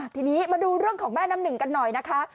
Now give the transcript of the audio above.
ทีนี้มาดูเรื่องของแม่น้ำหนึ่งกันหน่อยนะคะ